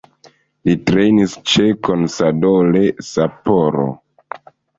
Li trejnis ĉe Consadole Sapporo.